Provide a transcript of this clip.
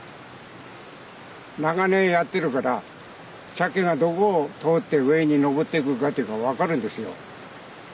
長年やってるからシャケがどこを通って上にのぼっていくかって分かるんですよ。